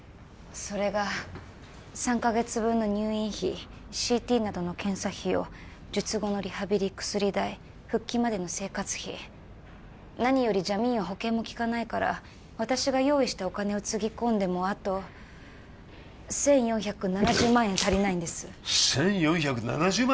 それが３カ月分の入院費ＣＴなどの検査費用術後のリハビリ薬代復帰までの生活費何よりジャミーンは保険もきかないから私が用意したお金をつぎ込んでもあと１４７０万円足りないんです１４７０万！？